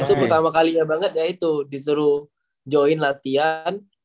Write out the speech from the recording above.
itu pertama kalinya banget ya itu disuruh join latihan